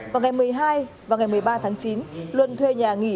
vào ngày một mươi hai và ngày một mươi ba tháng chín luân thuê nhà nghỉ